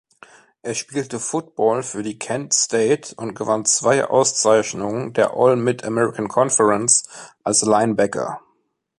Er spielte Football für die Kent State und gewann zwei Auszeichnungen der All-Mid-American Conference als Linebacker.